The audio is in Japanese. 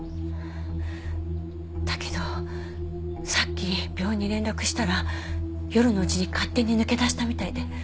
だけどさっき病院に連絡したら夜のうちに勝手に抜け出したみたいで。